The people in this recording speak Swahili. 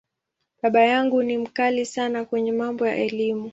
Baba yangu ni ‘mkali’ sana kwenye mambo ya Elimu.